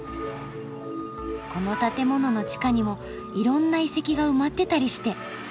この建物の地下にもいろんな遺跡が埋まってたりして。